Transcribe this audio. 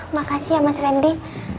makasih ya mas randy